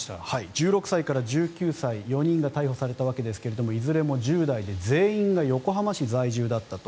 １６歳から１９歳４人が逮捕されたわけですがいずれも１０代で全員が横浜市在住だったと。